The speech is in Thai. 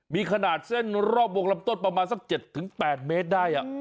มีขนาดเส้นรอบวงลำต้นประมาณสัก๗๘เมตรได้